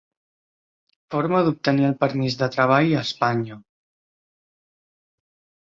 Forma d'obtenir el permís de treball a Espanya.